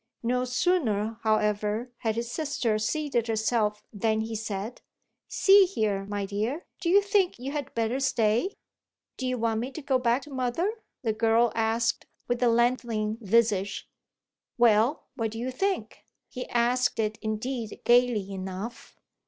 No sooner, however, had his sister seated herself than he said: "See here, my dear, do you think you had better stay?" "Do you want me to go back to mother?" the girl asked with a lengthening visage. "Well, what do you think?" He asked it indeed gaily enough.